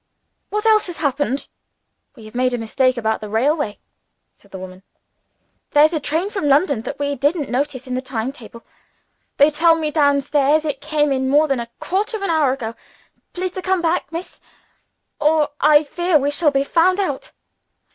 "What else has happened?" "We have made a mistake about the railway," said the woman. "There's a train from London that we didn't notice in the timetable. They tell me down stairs it came in more than a quarter of an hour ago. Please to come back, Miss or I fear we shall be found out."